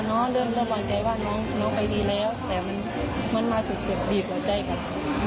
เหรอเริ่มเลยวงกายว่าน้องไปดีแล้วแต่มันมาสุดแสบดีกว่าใจกับ